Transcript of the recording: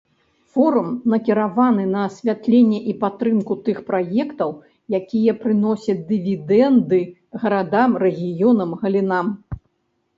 Форум накіраваны на асвятленне і падтрымку тых праектаў, якія прыносяць дывідэнды гарадам, рэгіёнам, галінам.